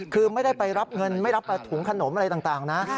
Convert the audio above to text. คือไม่ได้ไปรับเงินไม่รับถุงขนมอะไรต่างนะ